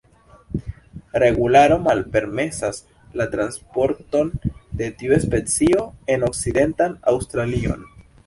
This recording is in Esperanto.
Regularo malpermesas la transporton de tiu specio en Okcidentan Aŭstralion.